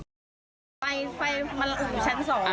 ไฟไฟมันอยู่ชั้น๒